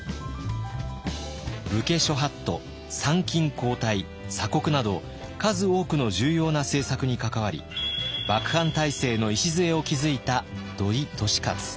武家諸法度参勤交代鎖国など数多くの重要な政策に関わり幕藩体制の礎を築いた土井利勝。